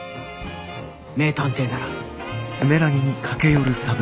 名探偵なら。